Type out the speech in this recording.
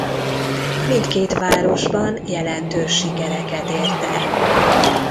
Mindkét városban jelentős sikereket ért el.